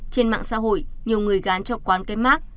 trên mạng xã hội nhiều người gán cho quán cái mát